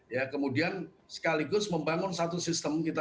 ya kemudian sekaligus membangun satu sistem kita